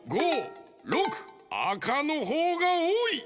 あかのほうがおおい。